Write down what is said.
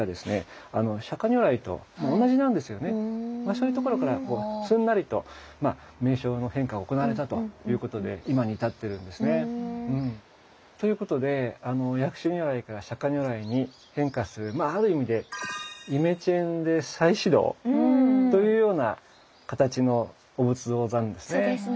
そういうところからすんなりと名称の変化が行われたということで今に至っているんですね。ということで薬師如来から釈如来に変化するまあある意味で「イメチェンで再始動」というような形のお仏像なんですね。